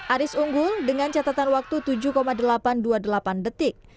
aris unggul dengan catatan waktu tujuh delapan ratus dua puluh delapan detik